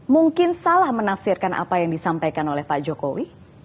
mungkin salah menafsirkan apa yang disampaikan oleh pak jokowi